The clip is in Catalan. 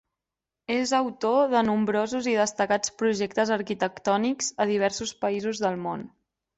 És autor de nombrosos i destacats projectes arquitectònics a diversos països del món.